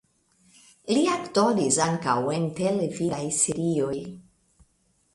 Li aktoris ankaŭ en televidaj serioj.